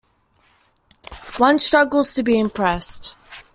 One struggles to be impressed.